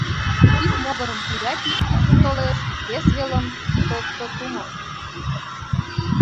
Ик могырым урядник куржын толеш, вес велым — Толстосумов.